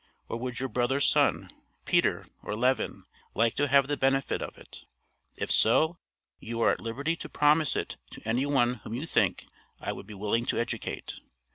Or would your brother's son, Peter or Levin, like to have the benefit of it? If so, you are at liberty to promise it to any one whom you think I would be willing to educate.